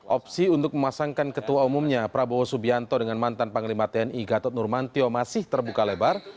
opsi untuk memasangkan ketua umumnya prabowo subianto dengan mantan panglima tni gatot nurmantio masih terbuka lebar